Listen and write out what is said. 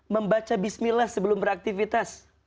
membaca bismillah sebelum beraktifitas